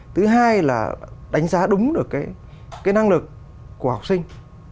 thứ hai là đánh giá đúng được cái năng lực của học sinh